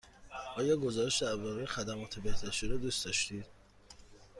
آیا گزارش درباره خدمات بهداشتی را دوست داشتید؟